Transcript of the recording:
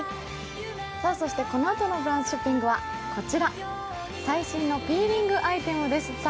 このあとの「ブランチショッピング」はこちら、最新のピーリングアイテムです。